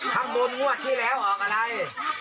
ข้างบนงวดที่แล้วออกอะไร